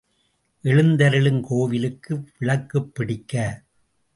எழுந்தருளும் கோவிலுக்கு விளக்குப் பிடிக்க.